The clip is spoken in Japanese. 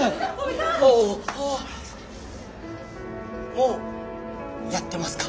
もうやってますか？